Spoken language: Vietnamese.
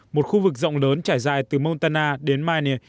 một khu vực rộng lớn trải dài từ montana đến minier